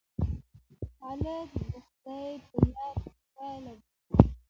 هلک د خدای په یاد خوشحاله وي.